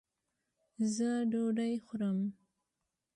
ځه ډوډي خورم